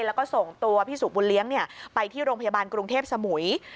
แล้วก็ส่งตัวพี่สุบุญเลี้ยงไปที่โรงพยาบาลกรุงเทพสมุย